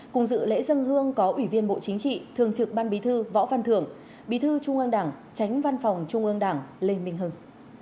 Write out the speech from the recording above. cùng dự lễ dân hương có ủy viên bộ chính trị thường trực ban bí thư võ văn thưởng bí thư trung ương đảng tránh văn phòng trung ương đảng lê minh hưng